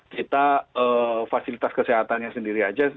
kita fasilitas kesehatannya sendiri aja